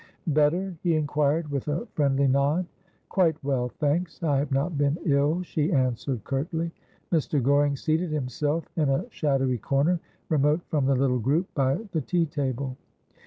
' Better ?' he inquired, with a friendly nod. ' Quite well, thanks. I have not been ill,' she answered curtly. Mr. Goring seated himself in a shadowy corner, remote from the little group by the tea table.